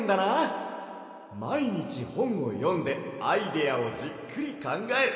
まいにちほんをよんでアイデアをじっくりかんがえる。